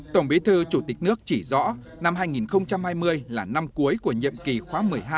tổng bí thư chủ tịch nước chỉ rõ năm hai nghìn hai mươi là năm cuối của nhiệm kỳ khóa một mươi hai